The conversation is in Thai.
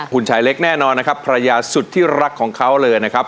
คุณชายเล็กแน่นอนนะครับภรรยาสุดที่รักของเขาเลยนะครับ